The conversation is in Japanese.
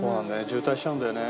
渋滞しちゃうんだよね。